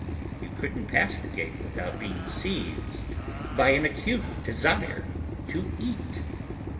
You couldn't pass the gate without being seized by an acute desire to eat.